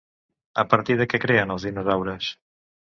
A partir de què creen els dinosaures?